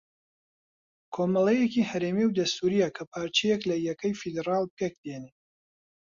کۆمەڵەیەکی ھەرێمی و دەستوورییە کە پارچەیەک لە یەکەی فێدراڵ پێک دێنێ